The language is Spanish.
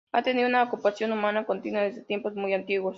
Ha tenido una ocupación humana continua desde tiempos muy antiguos.